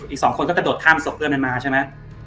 อีกสองคนก็กระโดดข้ามศพเพื่อนมันมาใช่ไหม